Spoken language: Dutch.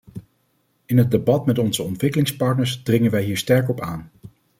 In het debat met onze ontwikkelingspartners dringen wij hier sterk op aan.